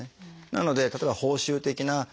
なので例えば報酬的な。